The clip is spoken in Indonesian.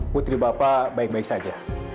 putri bapak baik baik saja